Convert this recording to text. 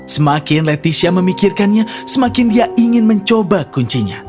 semakin leticia memikirkannya semakin dia ingin mencoba kuncinya